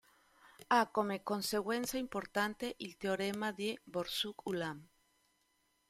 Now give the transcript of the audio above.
Ha come conseguenza importante il teorema di Borsuk-Ulam.